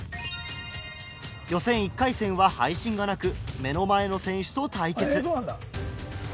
予選１回戦は配信がなく目の前の選手と対決。